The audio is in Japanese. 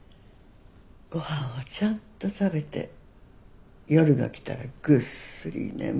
ごはんをちゃんと食べて夜が来たらぐっすり眠る。